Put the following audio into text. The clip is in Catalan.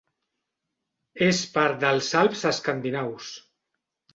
És part dels Alps Escandinaus.